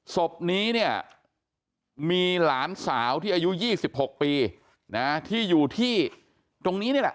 ศพนี้เนี่ยมีหลานสาวที่อายุ๒๖ปีนะที่อยู่ที่ตรงนี้นี่แหละ